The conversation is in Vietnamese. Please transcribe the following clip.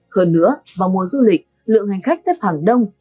hơn nữa vào mùa du lịch lượng hành khách sẽ phẳng đông